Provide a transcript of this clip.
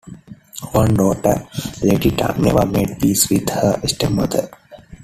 One daughter, Letitia, never made peace with her stepmother.